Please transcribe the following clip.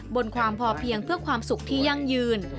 บนความพอเพียงเพื่อความสุขที่ยั่งยืน